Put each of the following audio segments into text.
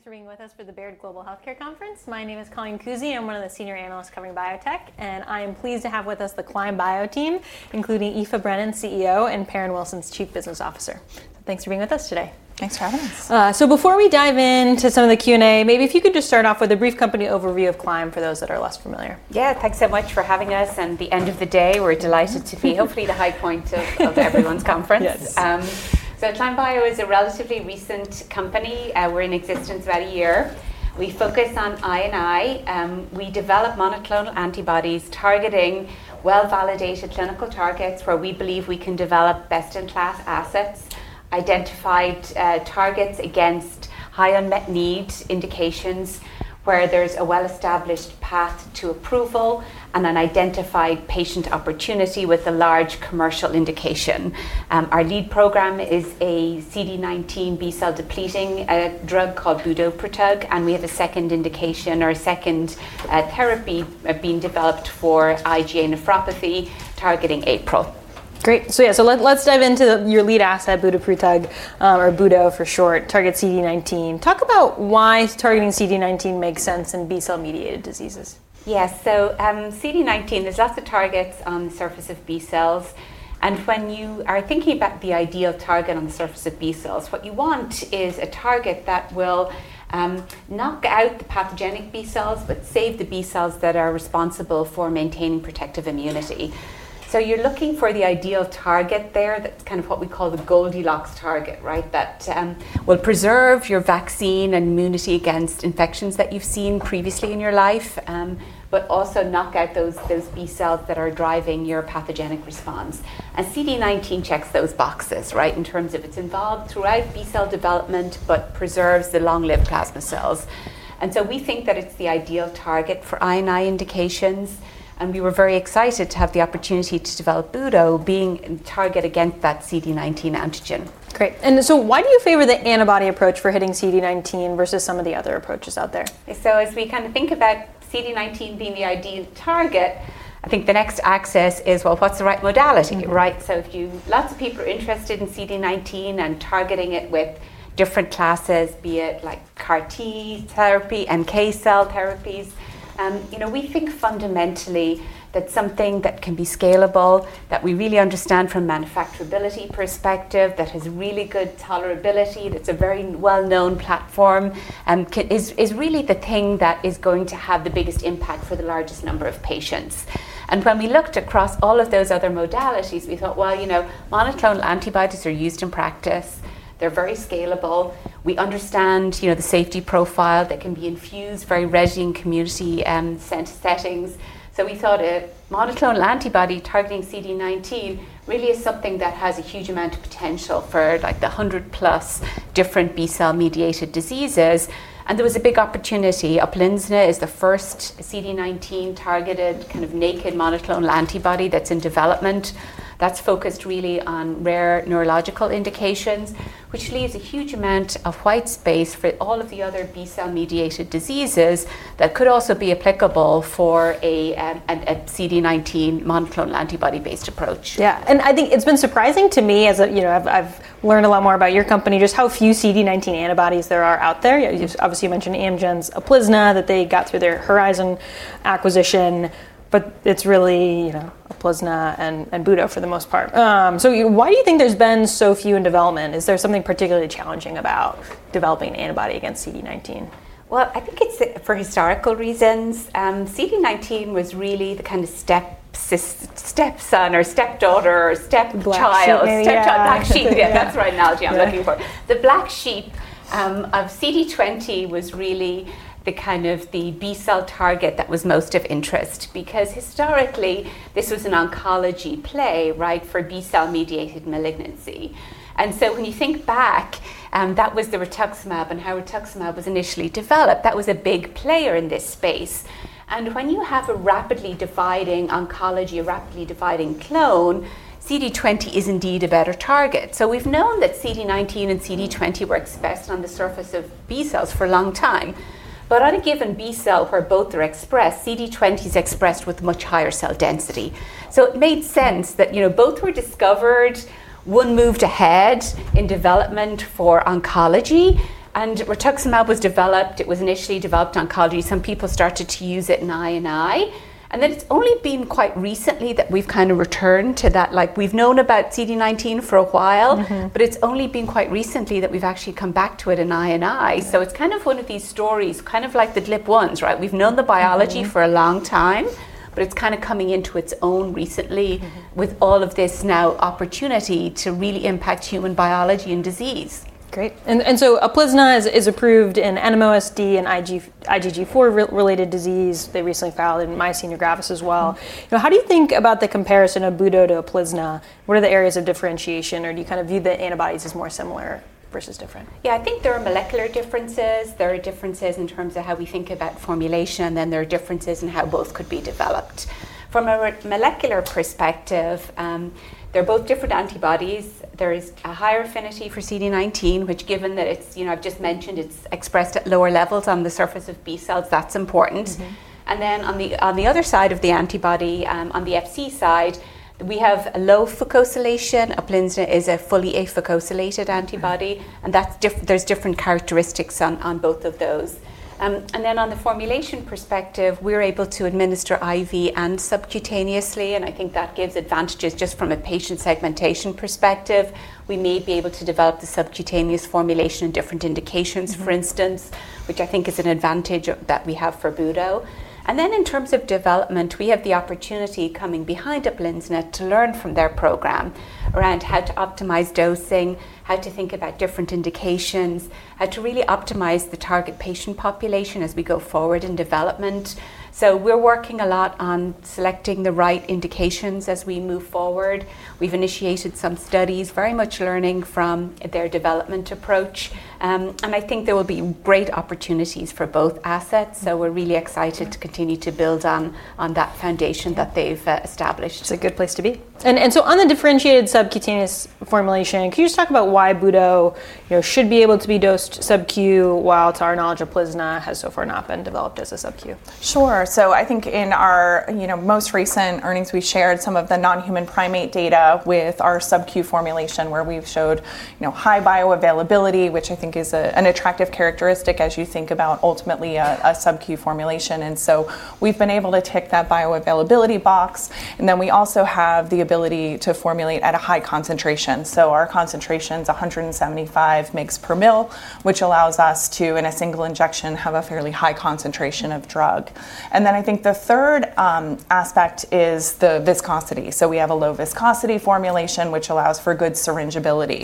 Thanks for being with us for the Baird Global Healthcare Conference. My name is Colleen Cousy. I'm one of the Senior Analysts covering biotech, and I am pleased to have with us the Climb Bio team, including Aoife Brennan, CEO, and Perrin Wilson, Chief Business Officer. Thanks for being with us today. Thanks for having us. Before we dive into some of the Q&A, maybe if you could just start off with a brief company overview of Climb Bio for those that are less familiar. Yeah, thanks so much for having us. At the end of the day, we're delighted to be hopefully the high point of everyone's conference. Climb Bio is a relatively recent company. We're in existence about a year. We focus on INI. We develop monoclonal antibodies targeting well-validated clinical targets where we believe we can develop best-in-class assets, identified targets against high unmet need indications where there's a well-established path to approval and an identified patient opportunity with a large commercial indication. Our lead program is a CD19 B-cell-depleting drug called Budoprutug, and we have a second indication or a second therapy being developed for IgA nephropathy targeting APRO. Great. Let's dive into your lead asset, Budoprutug, or Budo for short, target CD19. Talk about why targeting CD19 makes sense in B-cell-mediated diseases. Yeah, so CD19, there's lots of targets on the surface of B-cells. When you are thinking about the ideal target on the surface of B-cells, what you want is a target that will knock out the pathogenic B-cells but save the B-cells that are responsible for maintaining protective immunity. You're looking for the ideal target there. That's kind of what we call the Goldilocks target, right? That will preserve your vaccine and immunity against infections that you've seen previously in your life, but also knock out those B-cells that are driving your pathogenic response. CD19 checks those boxes, right, in terms of it's involved throughout B-cell development but preserves the long-lived plasma cells. We think that it's the ideal target for INI indications. We were very excited to have the opportunity to develop Budo being a target against that CD19 antigen. Great. Why do you favor the antibody approach for hitting CD19 versus some of the other approaches out there? As we kind of think about CD19 being the ideal target, I think the next axis is, what's the right modality, right? If you have lots of people interested in CD19 and targeting it with different classes, be it like CAR T therapy and K cell therapies, we think fundamentally that something that can be scalable, that we really understand from a manufacturability perspective, that has really good tolerability, that's a very well-known platform, is really the thing that is going to have the biggest impact for the largest number of patients. When we looked across all of those other modalities, we thought, monoclonal antibodies are used in practice. They're very scalable. We understand the safety profile. They can be infused very readily in community-centered settings. We thought a monoclonal antibody targeting CD19 really is something that has a huge amount of potential for like the 100+ different B-cell-mediated diseases. There was a big opportunity. UPLINZA is the first CD19-targeted kind of naked monoclonal antibody that's in development. That's focused really on rare neurological indications, which leaves a huge amount of white space for all of the other B-cell-mediated diseases that could also be applicable for a CD19 monoclonal antibody-based approach. Yeah, I think it's been surprising to me as I've learned a lot more about your company, just how few CD19 antibodies there are out there. Obviously, you mentioned Amgen's UPLINZA that they got through their Horizon acquisition, but it's really UPLINZA and Budo for the most part. Why do you think there's been so few in development? Is there something particularly challenging about developing an antibody against CD19? I think it's for historical reasons. CD19 was really the kind of stepson or stepdaughter or stepchild. Black sheep. Black sheep. Yeah, that's the right analogy I'm looking for. The black sheep of CD20 was really the kind of the B-cell target that was most of interest because historically, this was an oncology play, right, for B-cell-mediated malignancy. When you think back, that was the rituximab and how rituximab was initially developed. That was a big player in this space. When you have a rapidly dividing oncology, a rapidly dividing clone, CD20 is indeed a better target. We've known that CD19 and CD20 work best on the surface of B-cells for a long time. On a given B cell where both are expressed, CD20 is expressed with much higher cell density. It made sense that, you know, both were discovered, one moved ahead in development for oncology, and rituximab was developed. It was initially developed in oncology. Some people started to use it in INI. It's only been quite recently that we've kind of returned to that. We've known about CD19 for a while, but it's only been quite recently that we've actually come back to it in INI. It's kind of one of these stories, kind of like the GLP-1s, right? We've known the biology for a long time, but it's kind of coming into its own recently with all of this now opportunity to really impact human biology and disease. Great. UPLINZA is approved in NMOSD and IgG4-related disease. They recently filed in myasthenia gravis as well. How do you think about the comparison of Budo to UPLINZA? What are the areas of differentiation, or do you kind of view the antibodies as more similar versus different? Yeah, I think there are molecular differences. There are differences in terms of how we think about formulation, and there are differences in how both could be developed. From a molecular perspective, they're both different antibodies. There is a higher affinity for CD19, which, given that it's, you know, I just mentioned it's expressed at lower levels on the surface of B-cells, that's important. On the other side of the antibody, on the Fc side, we have a low fucosylation. UPLINZA is a fully afucosylated antibody, and there are different characteristics on both of those. From the formulation perspective, we're able to administer IV and subcutaneously, and I think that gives advantages just from a patient segmentation perspective. We may be able to develop the subcutaneous formulation in different indications, for instance, which I think is an advantage that we have for Budo. In terms of development, we have the opportunity coming behind UPLINZA to learn from their program around how to optimize dosing, how to think about different indications, how to really optimize the target patient population as we go forward in development. We're working a lot on selecting the right indications as we move forward. We've initiated some studies, very much learning from their development approach. I think there will be great opportunities for both assets. We're really excited to continue to build on that foundation that they've established. It's a good place to be. On the differentiated subcutaneous formulation, can you just talk about why Budo should be able to be dosed subcutaneous while to our knowledge UPLINZA has so far not been developed as a subcutaneous? Sure. I think in our most recent earnings, we shared some of the non-human primate data with our subcutaneous formulation where we've showed high bioavailability, which I think is an attractive characteristic as you think about ultimately a subcutaneous formulation. We've been able to tick that bioavailability box. We also have the ability to formulate at a high concentration. Our concentration is 175 mg/mL, which allows us to, in a single injection, have a fairly high concentration of drug. I think the third aspect is the viscosity. We have a low viscosity formulation, which allows for good syringability.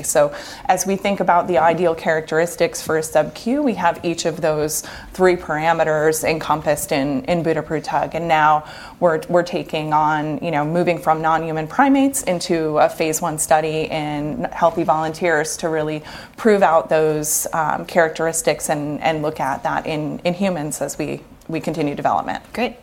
As we think about the ideal characteristics for a subcutaneous, we have each of those three parameters encompassed in Budoprutug. Now we're taking on moving from non-human primates into a phase one study in healthy volunteers to really prove out those characteristics and look at that in humans as we continue development. Great.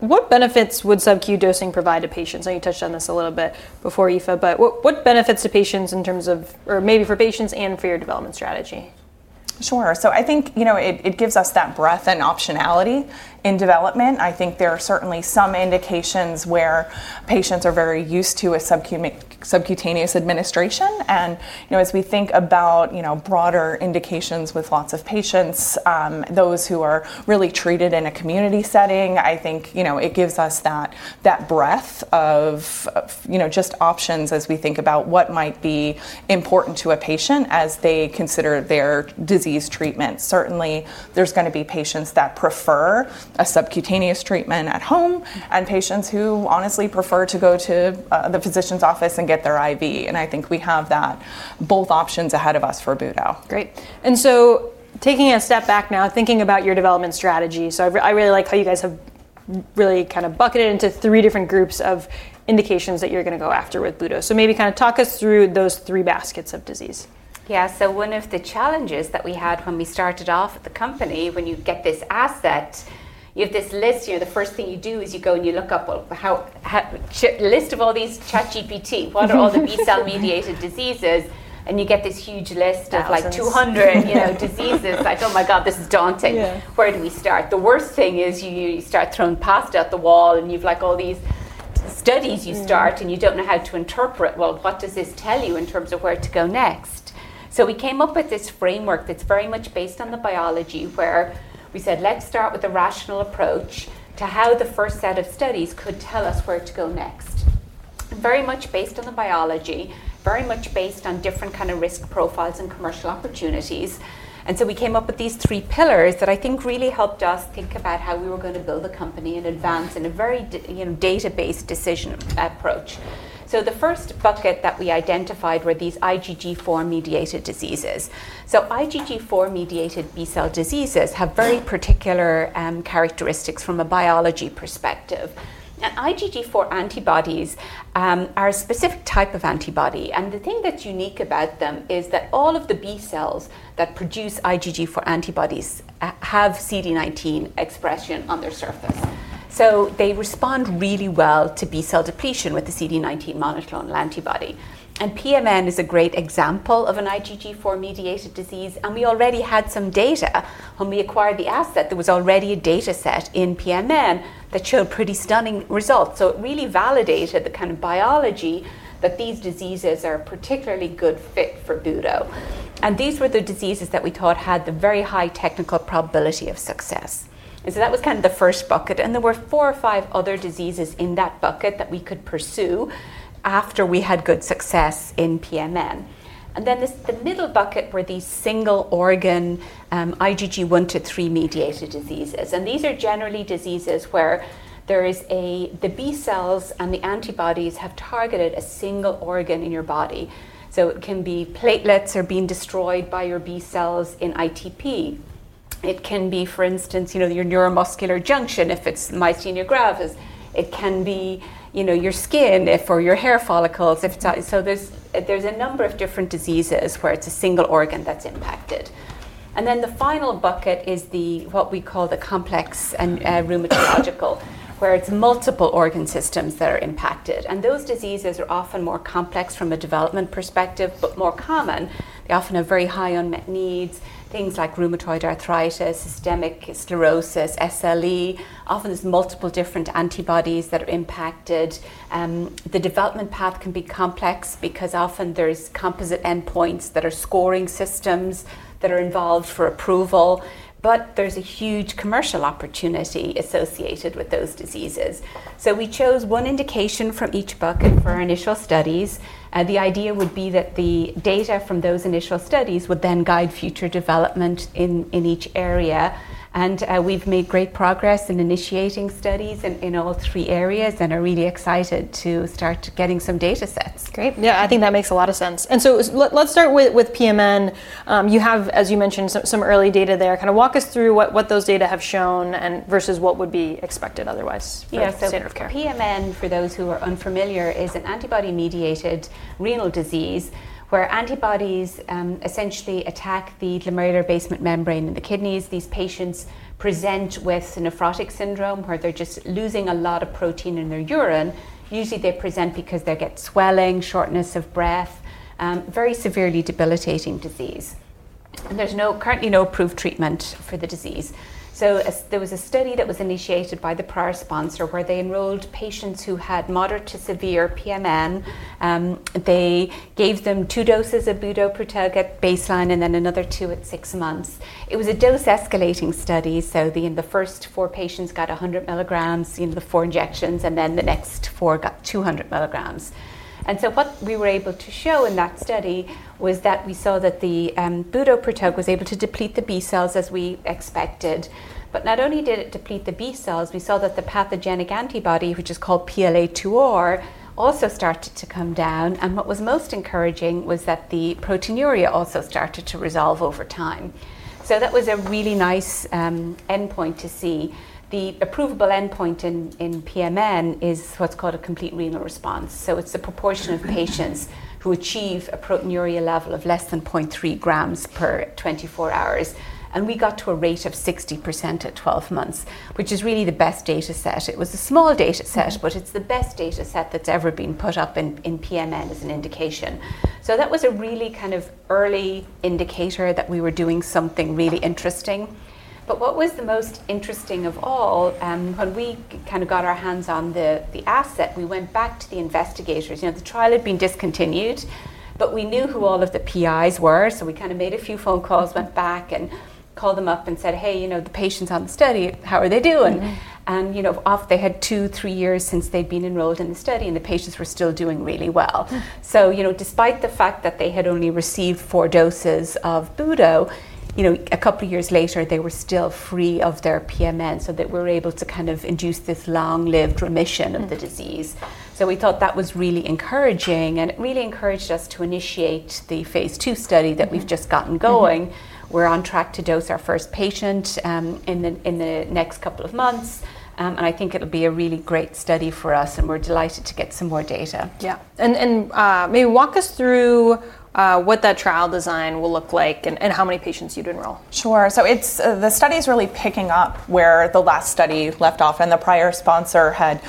What benefits would subcutaneous dosing provide to patients? I know you touched on this a little bit before, Aoife, but what benefits to patients in terms of, or maybe for patients and for your development strategy? Sure. I think it gives us that breadth and optionality in development. There are certainly some indications where patients are very used to a subcutaneous administration. As we think about broader indications with lots of patients, those who are really treated in a community setting, it gives us that breadth of options as we think about what might be important to a patient as they consider their disease treatment. Certainly, there's going to be patients that prefer a subcutaneous treatment at home and patients who honestly prefer to go to the physician's office and get their IV. I think we have both options ahead of us for Budo. Great. Taking a step back now, thinking about your development strategy, I really like how you guys have really kind of bucketed into three different groups of indications that you're going to go after with Budo. Maybe kind of talk us through those three baskets of disease. Yeah, so one of the challenges that we had when we started off at the company, when you get this asset, you have this list. You know, the first thing you do is you go and you look up a list of all these, "ChatGPT what are all the B-cell-mediated diseases?" You get this huge list of like 200 diseases. Like, oh my God, this is daunting. Where do we start? The worst thing is you start throwing pasta at the wall and you've all these studies you start and you don't know how to interpret. What does this tell you in terms of where to go next? We came up with this framework that's very much based on the biology where we said, let's start with a rational approach to how the first set of studies could tell us where to go next. Very much based on the biology, very much based on different kind of risk profiles and commercial opportunities. We came up with these three pillars that I think really helped us think about how we were going to build a company in advance in a very, you know, data-based decision approach. The first bucket that we identified were these IgG4-mediated diseases. IgG4-mediated B-cell diseases have very particular characteristics from a biology perspective. Now, IgG4 antibodies are a specific type of antibody. The thing that's unique about them is that all of the B-cells that produce IgG4 antibodies have CD19 expression on their surface. They respond really well to B cell depletion with the CD19 monoclonal antibody. PMN is a great example of an IgG4-mediated disease. We already had some data when we acquired the asset. There was already a data set in PMN that showed pretty stunning results. It really validated the kind of biology that these diseases are a particularly good fit for Budo. These were the diseases that we thought had the very high technical probability of success. That was kind of the first bucket. There were four or five other diseases in that bucket that we could pursue after we had good success in PMN. The middle bucket were these single organ IgG1-3 mediated diseases. These are generally diseases where the B-cells and the antibodies have targeted a single organ in your body. It can be platelets that are being destroyed by your B-cells in ITP. It can be, for instance, your neuromuscular junction if it's myasthenia gravis. It can be your skin for your hair follicles. There are a number of different diseases where it's a single organ that's impacted. The final bucket is what we call the complex rheumatological, where it's multiple organ systems that are impacted. Those diseases are often more complex from a development perspective, but more common. They often have very high unmet needs, things like rheumatoid arthritis, systemic sclerosis, SLE. Often there's multiple different antibodies that are impacted. The development path can be complex because often there's composite endpoints that are scoring systems that are involved for approval. There is a huge commercial opportunity associated with those diseases. We chose one indication from each bucket for our initial studies. The idea would be that the data from those initial studies would then guide future development in each area. We've made great progress in initiating studies in all three areas and are really excited to start getting some data sets. Yeah, I think that makes a lot of sense. Let's start with PMN. You have, as you mentioned, some early data there. Kind of walk us through what those data have shown versus what would be expected otherwise in the standard of care. Yeah, so PMN, for those who are unfamiliar, is an antibody-mediated renal disease where antibodies essentially attack the glomerular basement membrane in the kidneys. These patients present with nephrotic syndrome where they're just losing a lot of protein in their urine. Usually, they present because they get swelling, shortness of breath, very severely debilitating disease. There's currently no approved treatment for the disease. There was a study that was initiated by the prior sponsor where they enrolled patients who had moderate to severe PMN. They gave them two doses of Budoprutug at baseline and then another two at six months. It was a dose-escalating study. The first four patients got 100 mg in the four injections and the next four got 200 mg. What we were able to show in that study was that we saw that the Budo was able to deplete the B-cells as we expected. Not only did it deplete the B-cells, we saw that the pathogenic antibody, which is called PLA2R, also started to come down. What was most encouraging was that the proteinuria also started to resolve over time. That was a really nice endpoint to see. The approvable endpoint in PMN is what's called a complete renal response. It's the proportion of patients who achieve a proteinuria level of less than 0.3 g per 24 hours. We got to a rate of 60% at 12 months, which is really the best data set. It was a small data set, but it's the best data set that's ever been put up in PMN as an indication. That was a really kind of early indicator that we were doing something really interesting. What was the most interesting of all, when we kind of got our hands on the asset, we went back to the investigators. The trial had been discontinued, but we knew who all of the PIs were. We made a few phone calls, went back and called them up and said, "Hey, you know, the patients on the study, how are they doing?" Off they had two, three years since they'd been enrolled in the study and the patients were still doing really well. Despite the fact that they had only received four doses of Budo, a couple of years later, they were still free of their PMN. We were able to kind of induce this long-lived remission of the disease. We thought that was really encouraging and it really encouraged us to initiate the phase two study that we've just gotten going. We're on track to dose our first patient in the next couple of months. I think it'll be a really great study for us and we're delighted to get some more data. Yeah, maybe walk us through what that trial design will look like and how many patients you'd enroll. Sure. The study is really picking up where the last study left off. The prior sponsor had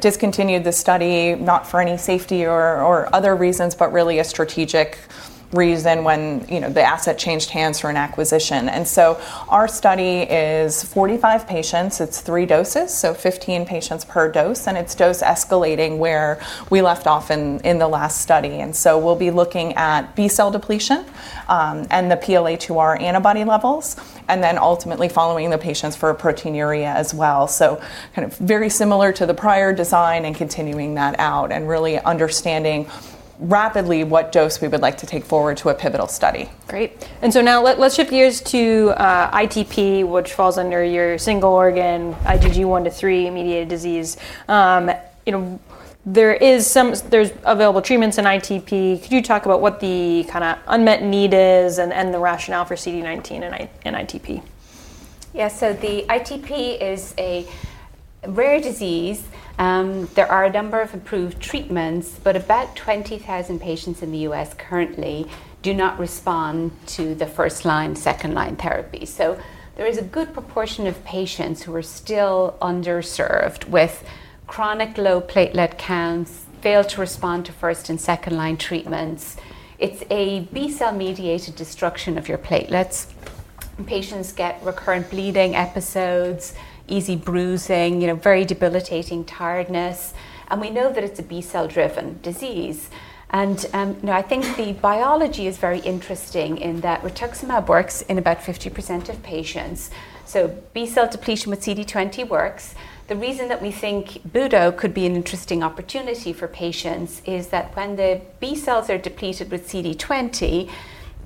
discontinued the study not for any safety or other reasons, but really a strategic reason when the asset changed hands for an acquisition. Our study is 45 patients. It's three doses, 15 patients per dose, and it's dose escalating where we left off in the last study. We'll be looking at B cell depletion and the PLA2R antibody levels, and ultimately following the patients for proteinuria as well. It's very similar to the prior design and continuing that out, really understanding rapidly what dose we would like to take forward to a pivotal study. Great. Now let's shift gears to ITP, which falls under your single organ IgG1-3-mediated disease. There are some available treatments in ITP. Could you talk about what the kind of unmet need is and the rationale for CD19 and ITP? Yeah, so the ITP is a rare disease. There are a number of approved treatments, but about 20,000 patients in the U.S. currently do not respond to the first-line, second-line therapy. There is a good proportion of patients who are still underserved with chronic low platelet counts, fail to respond to first and second-line treatments. It's a B-cell-mediated destruction of your platelets. Patients get recurrent bleeding episodes, easy bruising, you know, very debilitating tiredness. We know that it's a B-cell-driven disease. I think the biology is very interesting in that rituximab works in about 50% of patients. B-cell depletion with CD20 works. The reason that we think Budo could be an interesting opportunity for patients is that when the B-cells are depleted with CD20,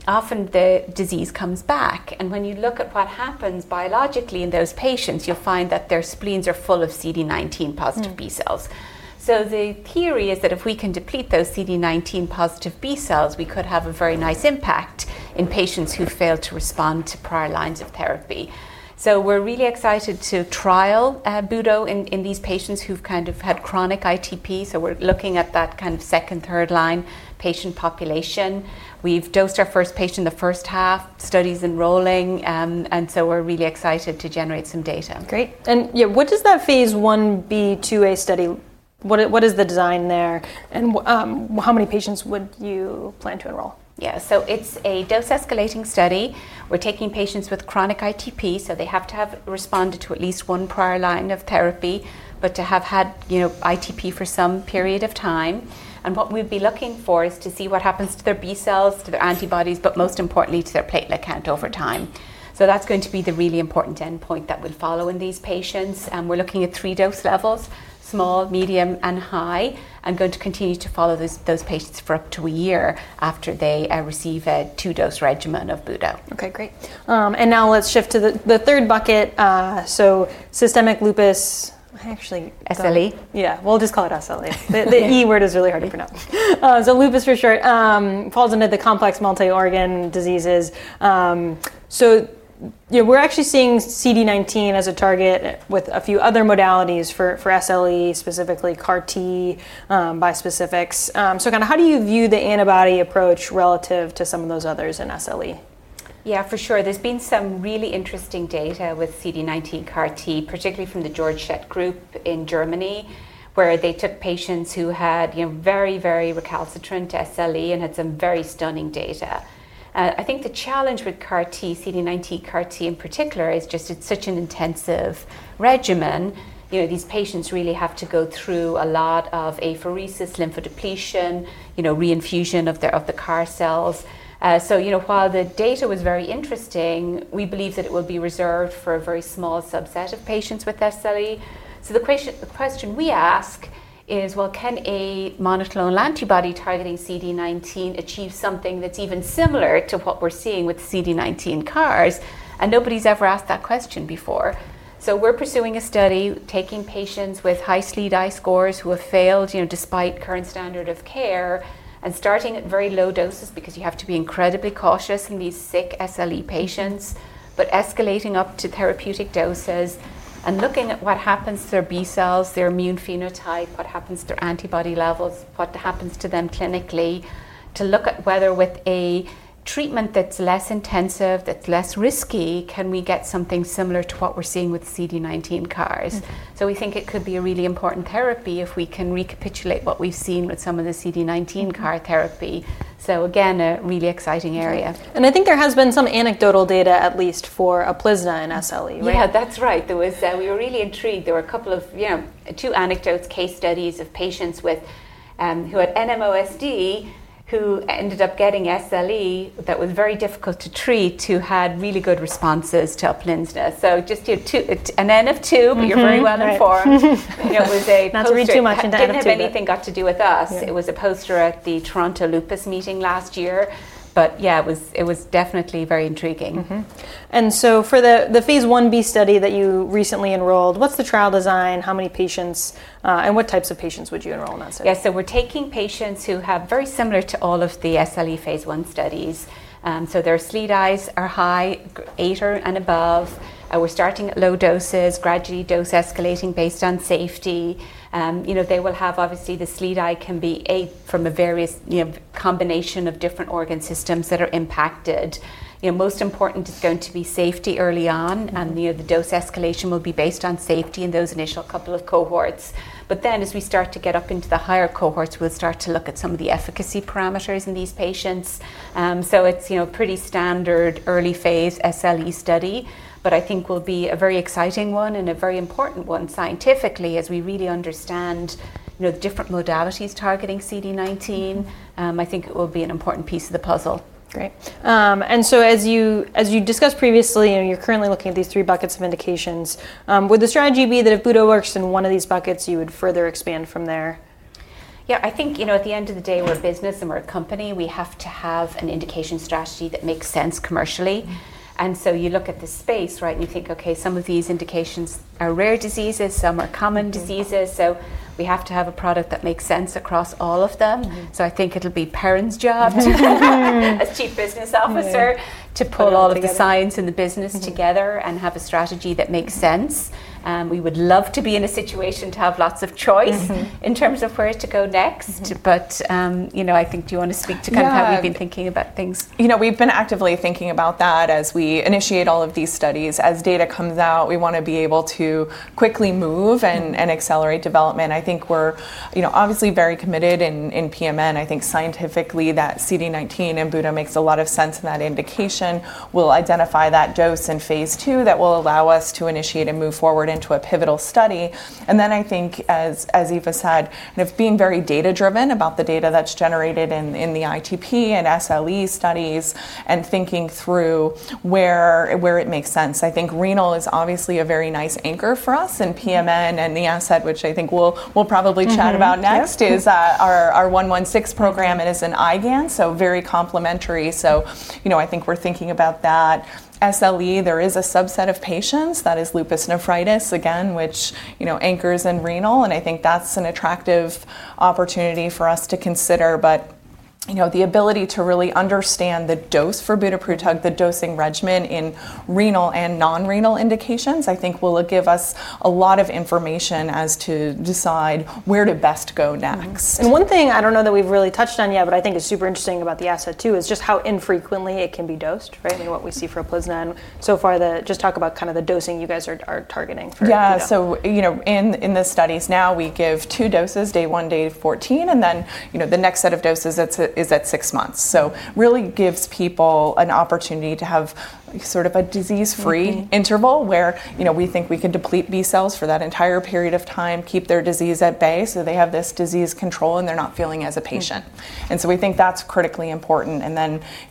often the disease comes back. When you look at what happens biologically in those patients, you'll find that their spleens are full of CD19 positive B-cells. The theory is that if we can deplete those CD19 positive B-cells, we could have a very nice impact in patients who fail to respond to prior lines of therapy. We're really excited to trial Budo in these patients who've kind of had chronic ITP. We're looking at that kind of second, third line patient population. We've dosed our first patient in the first half, study's enrolling, and we're really excited to generate some data. Great. What does that phase I-B/II-A study, what is the design there, and how many patients would you plan to enroll? Yeah, so it's a dose escalating study. We're taking patients with chronic ITP, so they have to have responded to at least one prior line of therapy, to have had ITP for some period of time. What we'd be looking for is to see what happens to their B-cells, to their antibodies, but most importantly to their platelet count over time. That's going to be the really important endpoint that we'll follow in these patients. We're looking at three dose levels, small, medium, and high, and going to continue to follow those patients for up to a year after they receive a two-dose regimen of Budo. Okay, great. Now let's shift to the third bucket. Systemic lupus, I actually. SLE. Yeah, we'll just call it SLE. The E word is really hard to pronounce. Lupus for sure falls into the complex multi-organ diseases. You know, we're actually seeing CD19 as a target with a few other modalities for SLE, specifically CAR-T, by specifics. How do you view the antibody approach relative to some of those others in SLE? Yeah, for sure. There's been some really interesting data with CD19 CAR-T, particularly from the Georg Schett Group in Germany, where they took patients who had very, very recalcitrant SLE and had some very stunning data. I think the challenge with CAR-T, CD19 CAR-T in particular, is just it's such an intensive regimen. These patients really have to go through a lot of apheresis, lymphodepletion, reinfusion of the CAR cells. While the data was very interesting, we believe that it will be reserved for a very small subset of patients with SLE. The question we ask is, can a monoclonal antibody targeting CD19 achieve something that's even similar to what we're seeing with CD19 CARs? Nobody's ever asked that question before. We're pursuing a study taking patients with high CDI scores who have failed, despite current standard of care, and starting at very low doses because you have to be incredibly cautious in these sick SLE patients, but escalating up to therapeutic doses and looking at what happens to their B-cells, their immune phenotype, what happens to their antibody levels, what happens to them clinically to look at whether with a treatment that's less intensive, that's less risky, can we get something similar to what we're seeing with CD19 CARs. We think it could be a really important therapy if we can recapitulate what we've seen with some of the CD19 CAR therapy. Again, a really exciting area. There has been some anecdotal data at least for UPLINZA in SLE, right? Yeah, that's right. We were really intrigued. There were a couple of, you know, two anecdotes, case studies of patients who had NMOSD, who ended up getting SLE that was very difficult to treat, who had really good responses to UPLINZA. Just, you know, an N of two, but you're very well informed. Don't read too much into 2^n. I don't think anything got to do with us. It was a poster at the Toronto Lupus Meeting last year. Yeah, it was definitely very intriguing. For the phase I-B study that you recently enrolled, what's the trial design? How many patients and what types of patients would you enroll in that study? Yeah, so we're taking patients who have very similar to all of the SLE phase one studies. Their CDIs are high, eight or above. We're starting at low doses, gradually dose escalating based on safety. They will have, obviously, the CDI can be from a various combination of different organ systems that are impacted. Most important is going to be safety early on. The dose escalation will be based on safety in those initial couple of cohorts. As we start to get up into the higher cohorts, we'll start to look at some of the efficacy parameters in these patients. It's a pretty standard early phase SLE study, but I think will be a very exciting one and a very important one scientifically as we really understand the different modalities targeting CD19. I think it will be an important piece of the puzzle. Great. As you discussed previously, you're currently looking at these three buckets of indications. Would the strategy be that if Budo works in one of these buckets, you would further expand from there? Yeah, I think, you know, at the end of the day, we're a business and we're a company. We have to have an indication strategy that makes sense commercially. You look at the space, right, and you think, okay, some of these indications are rare diseases, some are common diseases. We have to have a product that makes sense across all of them. I think it'll be Perrin's job as Chief Business Officer to pull all of the science and the business together and have a strategy that makes sense. We would love to be in a situation to have lots of choice in terms of where to go next. You know, I think do you want to speak to kind of how we've been thinking about things? We've been actively thinking about that as we initiate all of these studies. As data comes out, we want to be able to quickly move and accelerate development. I think we're obviously very committed in PMN. I think scientifically that CD19 in Budo makes a lot of sense in that indication. We'll identify that dose in phase II that will allow us to initiate and move forward into a pivotal study. I think, as Aoife said, being very data-driven about the data that's generated in the ITP and SLE studies and thinking through where it makes sense. I think renal is obviously a very nice anchor for us in PMN, and the asset, which I think we'll probably chat about next, is our CLYM116 program. It is in IgA nephropathy, so very complementary. I think we're thinking about that. SLE, there is a subset of patients that is lupus nephritis again, which anchors in renal. I think that's an attractive opportunity for us to consider. The ability to really understand the dose for Budoprutug, the dosing regimen in renal and non-renal indications, I think will give us a lot of information to decide where to best go next. One thing I don't know that we've really touched on yet, but I think is super interesting about the asset too, is just how infrequently it can be dosed, right? What we see for UPLINZA. So far, just talk about kind of the dosing you guys are targeting for. In the studies now, we give two doses, day one, day 14, and then the next set of doses is at six months. It really gives people an opportunity to have sort of a disease-free interval where we think we can deplete B-cells for that entire period of time, keep their disease at bay so they have this disease control and they're not feeling as a patient. We think that's critically important.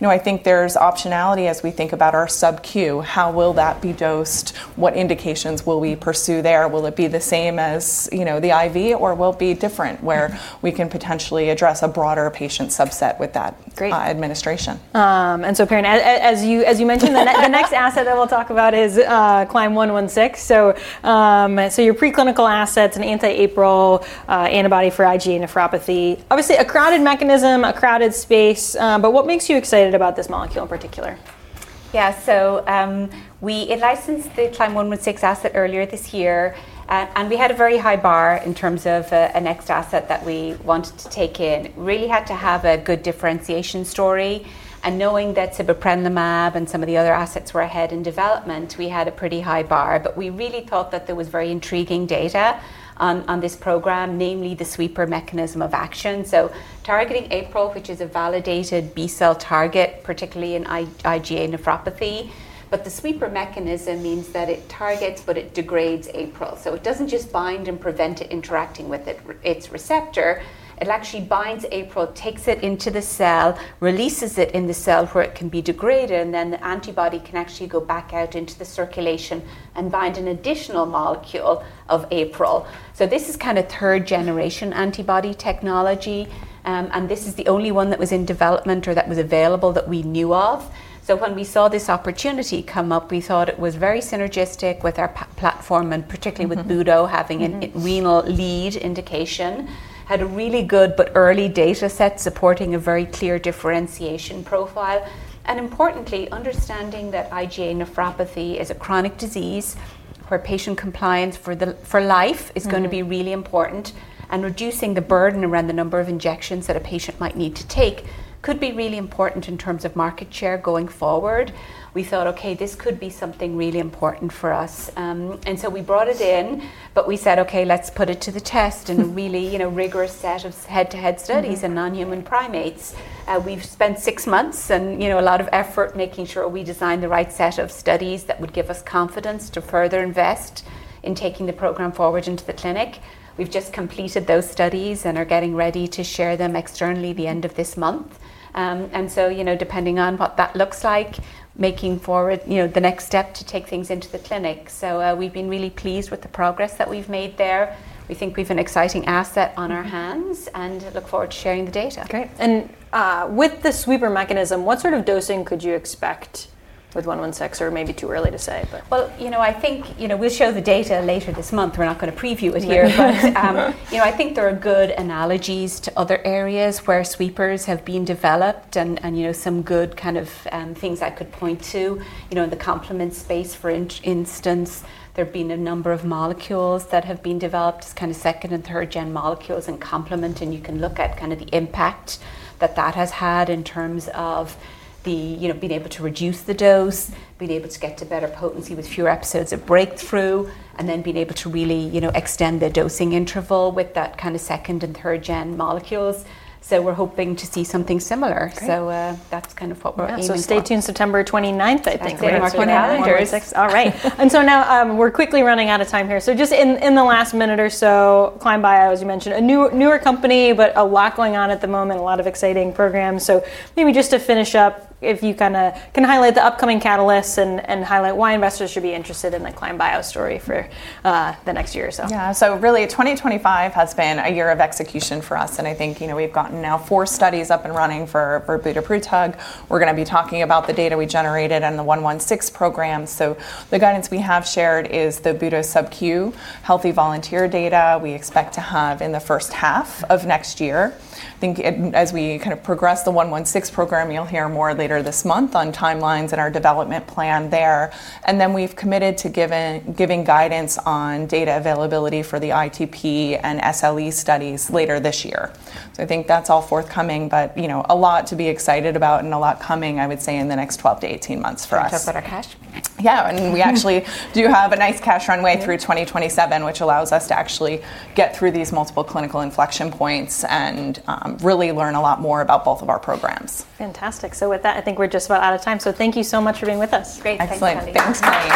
I think there's optionality as we think about our subcutaneous, how will that be dosed, what indications will we pursue there? Will it be the same as the IV or will it be different where we can potentially address a broader patient subset with that administration? Perrin, as you mentioned, the next asset that we'll talk about is CLYM116. Your preclinical asset, an anti-APRO antibody for IgA nephropathy, is obviously a crowded mechanism, a crowded space. What makes you excited about this molecule in particular? Yeah. We licensed the CLYM116 asset earlier this year, and we had a very high bar in terms of a next asset that we wanted to take in. We really had to have a good differentiation story. Knowing that siboprenilumab and some of the other assets were ahead in development, we had a pretty high bar. We really thought that there was very intriguing data on this program, namely the sweeper mechanism of action. Targeting APRO, which is a validated B-cell target, particularly in IgA nephropathy, the sweeper mechanism means that it targets but degrades APRO. It doesn't just bind and prevent it interacting with its receptor. It actually binds APRO, takes it into the cell, releases it in the cell where it can be degraded, and then the antibody can actually go back out into the circulation and bind an additional molecule of APRO. This is kind of third-generation antibody technology. This is the only one that was in development or that was available that we knew of. When we saw this opportunity come up, we thought it was very synergistic with our platform and particularly with Budo having a renal lead indication, had a really good but early data set supporting a very clear differentiation profile. Importantly, understanding that IgA nephropathy is a chronic disease where patient compliance for life is going to be really important, reducing the burden around the number of injections that a patient might need to take could be really important in terms of market share going forward. We thought, okay, this could be something really important for us. We brought it in, but we said, okay, let's put it to the test in a really rigorous set of head-to-head studies in non-human primates. We've spent six months and a lot of effort making sure we designed the right set of studies that would give us confidence to further invest in taking the program forward into the clinic. We've just completed those studies and are getting ready to share them externally the end of this month. Depending on what that looks like, making forward the next step to take things into the clinic. We've been really pleased with the progress that we've made there. We think we have an exciting asset on our hands and look forward to sharing the data. Great. With the sweeper mechanism, what sort of dosing could you expect with CLYM116, or maybe too early to say? I think we'll show the data later this month. We're not going to preview it here. I think there are good analogies to other areas where sweepers have been developed and some good kind of things I could point to in the complement space. For instance, there have been a number of molecules that have been developed, kind of second and third-gen molecules in complement, and you can look at the impact that has had in terms of being able to reduce the dose, being able to get to better potency with fewer episodes of breakthrough, and then being able to really extend the dosing interval with that kind of 2nd and 3rd-gen molecules. We're hoping to see something similar. That's kind of what we're aiming for. Stay tuned September 29th, I think, to mark when it happens. All right. Now we're quickly running out of time here. Just in the last minute or so, Climb Bio, as you mentioned, a newer company, but a lot going on at the moment, a lot of exciting programs. Maybe just to finish up, if you can highlight the upcoming catalysts and highlight why investors should be interested in the Climb Bio story for the next year or so. Yeah, so really 2025 has been a year of execution for us. I think we've gotten now four studies up and running for Budo. We're going to be talking about the data we generated and the CLYM116 program. The guidance we have shared is the Budo subcutaneous healthy volunteer data we expect to have in the first half of next year. I think as we kind of progress the CLYM116 program, you'll hear more later this month on timelines and our development plan there. We've committed to giving guidance on data availability for the ITP and SLE studies later this year. I think that's all forthcoming, but a lot to be excited about and a lot coming, I would say, in the next 12-18 months for us. We've got better cash. Yeah, we actually do have a nice cash runway through 2027, which allows us to actually get through these multiple clinical inflection points and really learn a lot more about both of our programs. Fantastic. With that, I think we're just about out of time. Thank you so much for being with us. Great. Thanks, Colleen.